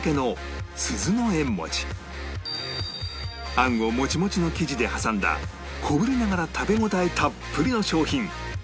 あんをモチモチの生地で挟んだ小ぶりながら食べ応えたっぷりの商品